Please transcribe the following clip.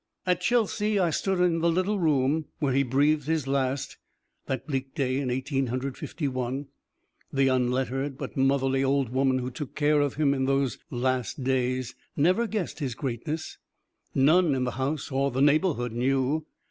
At Chelsea I stood in the little room where he breathed his last, that bleak day in Eighteen Hundred Fifty one. The unlettered but motherly old woman who took care of him in those last days never guessed his greatness; none in the house or the neighborhood knew.